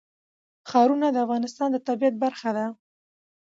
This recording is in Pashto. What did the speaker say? ښارونه د افغانستان د طبیعت برخه ده.